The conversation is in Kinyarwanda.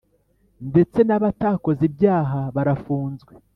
ndetse n abatakoze ibyaha barafunzwe.